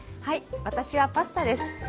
はい私はパスタです。